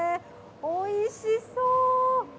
おいしそう！